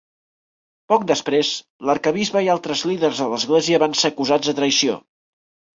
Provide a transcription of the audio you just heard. Poc després, l'arquebisbe i altres líders de l'església van ser acusats de traïció.